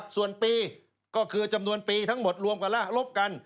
ส่วนปีก็คือจำนวนปีทั้งหมดรวมกันละลบกัน